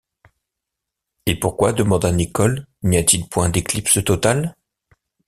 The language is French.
Et pourquoi, demanda Nicholl, n’y a-t-il point d’éclipse totale?